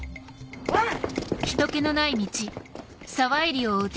おい！